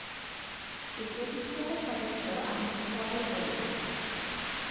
এর প্রতিষ্ঠাতা সদস্য আহমেদ ফজল করিম।